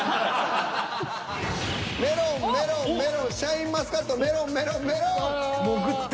「メロン」「メロン」「メロン」「シャインマスカット」「メロン」「メロン」「メロン」。